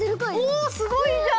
おっすごいじゃん！